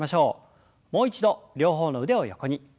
もう一度両方の腕を横に。